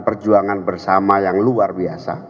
perjuangan bersama yang luar biasa